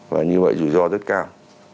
và như vậy rủ rỗ rất cao